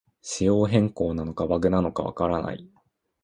仕様変更なのかバグなのかわからない